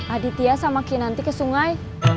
aditya sama kinanti ke sungai